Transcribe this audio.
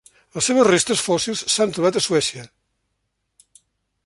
Les seves restes fòssils s'han trobat a Suècia.